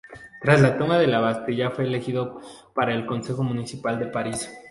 Tras la Toma de la Bastilla fue elegido para el Consejo Municipal de París.